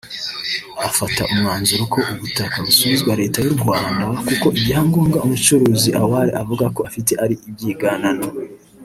afata umwanzuro ko ubutaka busubizwa Leta y’u Rwanda kuko ibyangombwa umucuruzi Awale avuga ko afite ari ibyiganano